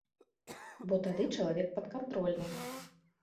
Бо тады чалавек падкантрольны.